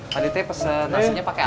pak dite pesen nasinya pakai apa